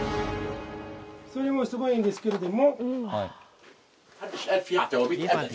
それもすごいんですけれども。